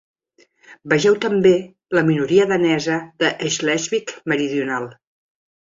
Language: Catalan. Vegeu també la minoria danesa de Schleswig Meridional.